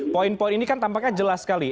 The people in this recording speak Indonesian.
poin poin ini kan tampaknya jelas sekali